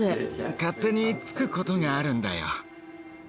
勝手につく事があるんだよ。